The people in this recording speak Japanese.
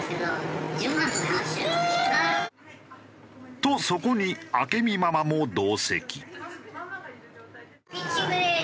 とそこに明美ママも同席。